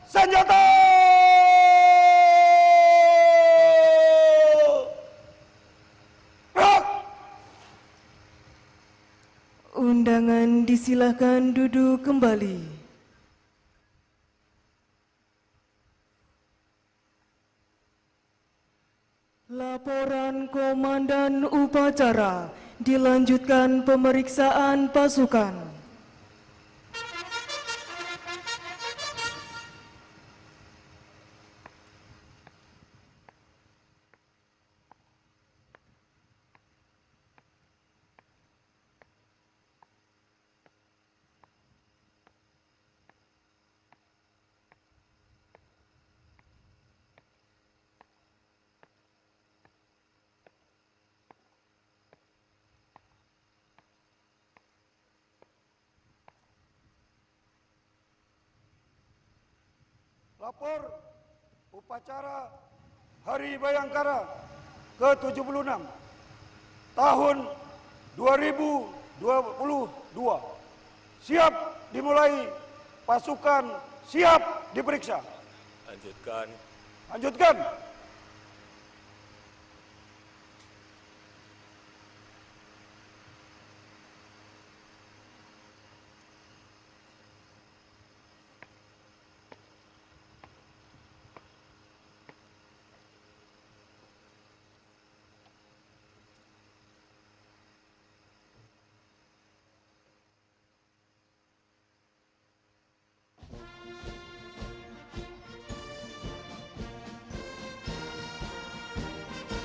dan memulai dengan mengambil tema polri yang presisi mendukung pemulihan ekonomi dan reformasi struktural untuk memujudkan indonesia tangguh indonesia tumbuh